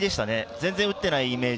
全然打っていないイメージ